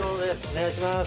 お願いします